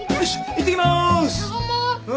いってきます。